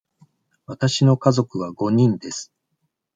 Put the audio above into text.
わたしの家族は五人です。